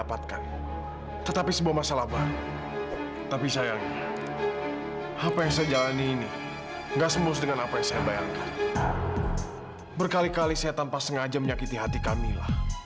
berkali kali saya tanpa sengaja menyakiti hati kamilah